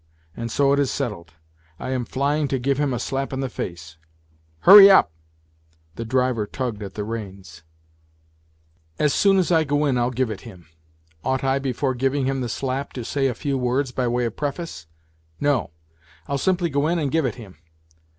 And so it is settled ; I am flying to give him a slap in the face. Hurry up !" The driver tugged at the reins. NOTES FROM UNDERGROUND 116 " As soon as I go in I'll give it him. Ought I before giving him the slap to say a few words by way of preface ? No. I'll simply go in and give it him